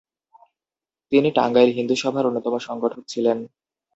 তিনি টাঙ্গাইল হিন্দুসভার অন্যতম সংগঠক ছিলেন।